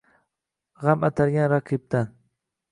G’am atalgan raqibdan.